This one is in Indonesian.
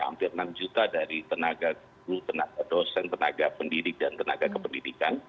hampir enam juta dari tenaga dosen tenaga pendidik dan tenaga kependidikan